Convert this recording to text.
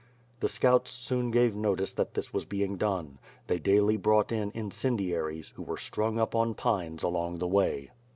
The scouts soon gave notice that this was being done. They daily brought in incendiaries, who were strung up on pines along the way.